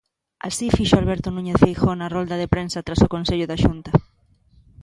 Así fixo Alberto Núñez Feijóo na rolda de prensa tras o Consello da Xunta.